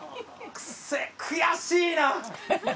悔しいな。